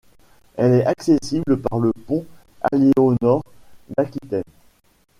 Elle est accessible par le pont Aliénor-d'Aquitaine..